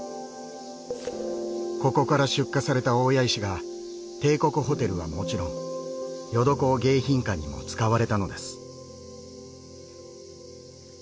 ここから出荷された大谷石が「帝国ホテル」はもちろん『ヨドコウ迎賓館』にも使われたのです。